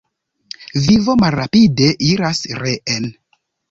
Vivo malrapide iras reen.